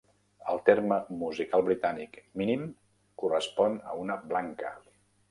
El terme musical britànic "minim" correspon a una blanca.